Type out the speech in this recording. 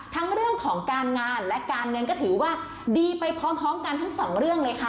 ทั้งเรื่องของการงานและการเงินก็ถือว่าดีไปพร้อมกันทั้งสองเรื่องเลยค่ะ